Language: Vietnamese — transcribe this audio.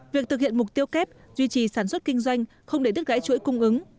việc thực hiện mục tiêu kép duy trì sản xuất kinh doanh không để đứt gãy chuỗi cung ứng